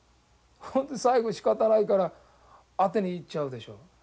ほんで最後しかたないから当てにいっちゃうでしょ？